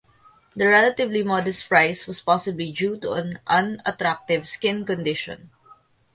The relatively modest price was possibly due to an unattractive skin condition.